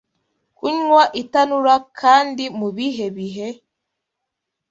Kunywa itanura kandi mubihe bihe